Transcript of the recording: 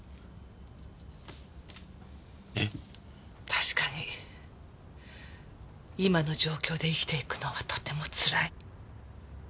確かに今の状況で生きていくのはとてもつらい。